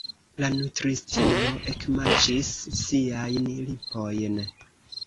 La nutristino ekmaĉis siajn lipojn.